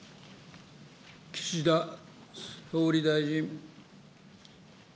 岸田総理大臣。